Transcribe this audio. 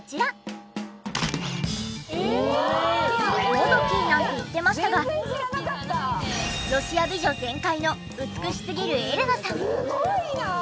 「もどき」なんて言ってましたがロシア美女全開の美しすぎるエレナさん。